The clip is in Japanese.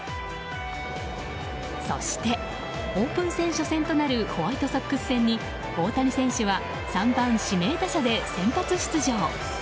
そして、オープン戦初戦となるホワイトソックス戦に大谷選手は３番指名打者で先発出場。